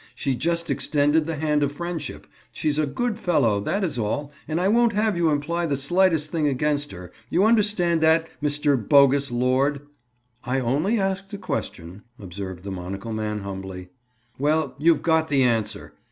"She just extended the hand of friendship. She's a good fellow, that is all, and I won't have you imply the slightest thing against her. You understand that, Mr. Bogus Lord?" "I only asked a question," observed the monocle man humbly. "Well, you've got the answer."